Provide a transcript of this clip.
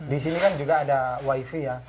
di sini kan juga ada wifi ya